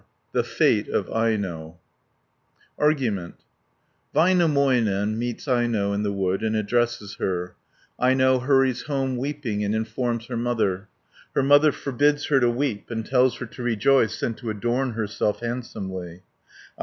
THE FATE OF AINO Argument Väinämöinen meets Aino in the wood and addresses her (1 20). Aino hurries home weeping, and informs her mother (21 116). Her mother forbids her to weep, and tells her to rejoice, and to adorn herself handsomely (117 188).